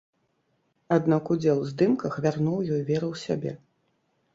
Аднак удзел у здымках вярнуў ёй веру ў сябе.